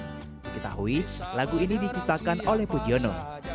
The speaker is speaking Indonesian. diketahui lagu ini diciptakan oleh pujiono